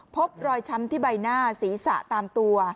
พบรอยช้ำที่ใบหน้าศีรษะตามตัว